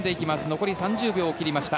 残り３０秒を切りました。